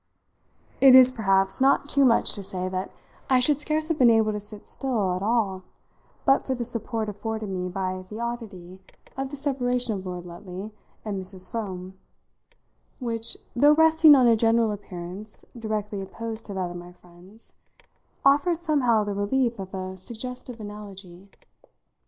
It is perhaps not too much to say that I should scarce have been able to sit still at all but for the support afforded me by the oddity of the separation of Lord Lutley and Mrs. Froome; which, though resting on a general appearance directly opposed to that of my friends, offered somehow the relief of a suggestive analogy.